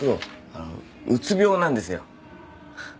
あのうつ病なんですよ。